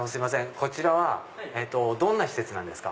こちらはどんな施設なんですか？